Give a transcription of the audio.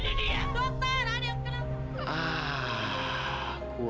dokter ada yang kenal